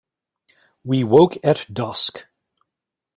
We woke at dusk.